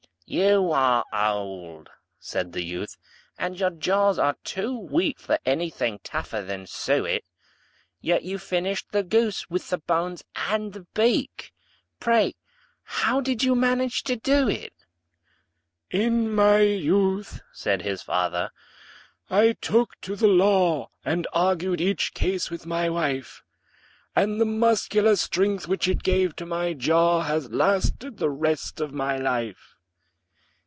"You are old," said the youth, "and your jaws are too weak For anything tougher than suet; Yet you finished the goose, with the bones and the beak Pray, how did you manage to do it?" "In my youth," said his fater, "I took to the law, And argued each case with my wife; And the muscular strength, which it gave to my jaw, Has lasted the rest of my life."